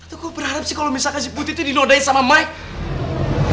tante gue berharap sih kalo misalkan si putri itu dinodai sama mike